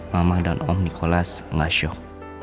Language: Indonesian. mama dan om nicholas gak shock